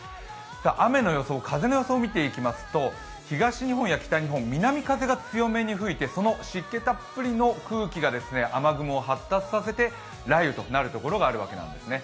雨の予想、風の予想を見ていきますと東日本や北日本、南風が強めに吹いてその湿気たっぷりの空気が雨雲を発達させて雷雨となる所があるわけなんですね。